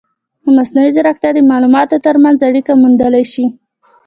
مصنوعي ځیرکتیا د معلوماتو ترمنځ اړیکې موندلی شي.